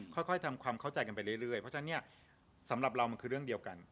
ค่อยทำความเข้าใจกันไปเรื่อยเพราะฉะนั้นเนี่ยสำหรับเรามันคือเรื่องเดียวกัน